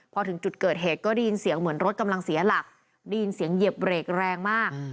พอถึงจุดเกิดเหตุก็ได้ยินเสียงเหมือนรถกำลังเสียหลักได้ยินเสียงเหยียบเบรกแรงมาก